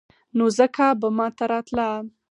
نو ځکه به ما ته راته.